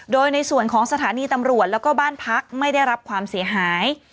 โดยในส่วนของสถานีตำรวจแล้วก็บ้านพักไม่ได้รับความเสียหาย